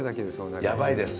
やばいです。